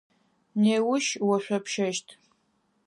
Неущ ошъопщэщт.